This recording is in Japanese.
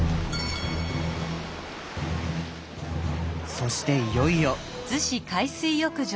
そしていよいよ。